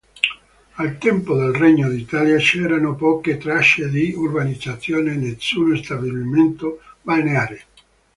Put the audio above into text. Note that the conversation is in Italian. Al tempo del Regno d'Italia c'erano poche tracce di urbanizzazione e nessuno stabilimento balneare.